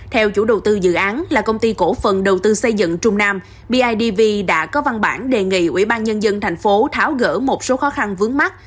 theo chủ đầu tư dự án là công ty cổ phần đầu tư xây dựng trung nam bidv đã có văn bản đề nghị ủy ban nhân dân thành phố tháo gỡ một số khó khăn vướng mắt